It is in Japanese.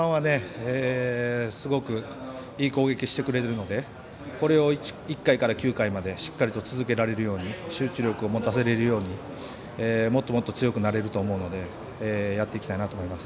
本当に序盤はすごくいい攻撃してくれるのでこれを１回から９回までしっかりと続けられるように集中力をもたせられるようにもっともっと強くなれると思うのでやっていきたいなと思います。